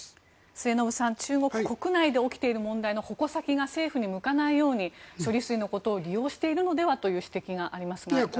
末延さん、中国国内で起きている問題の矛先が政府に向かないように処理水のことを利用しているのではという指摘がありますが、いかがでしょうか。